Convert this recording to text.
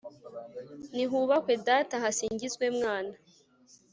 nihubahwe data, hasingizwe mwana